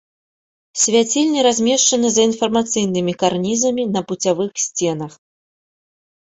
Свяцільні размешчаны за інфармацыйнымі карнізамі на пуцявых сценах.